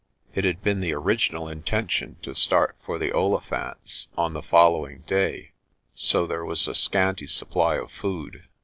It had been the original intention to start for the Olifants on the following day, so there was a scanty supply of food.